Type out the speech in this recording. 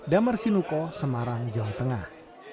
damar sinuko semarang jawa tengah